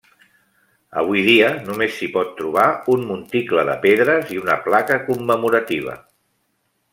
Avui dia només s'hi pot trobar un monticle de pedres i una placa commemorativa.